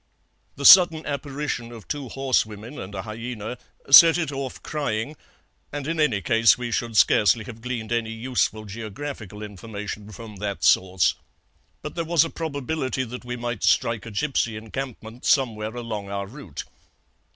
The sudden apparition of two horsewomen and a hyaena set it off crying, and in any case we should scarcely have gleaned any useful geographical information from that source; but there was a probability that we might strike a gipsy encampment somewhere along our route.